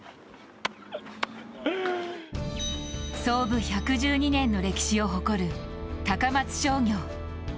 創部１１２年の歴史を誇る高松商業。